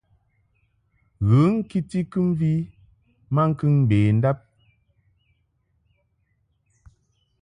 Ghə ŋkiti kɨmvi maŋkəŋ mbendab.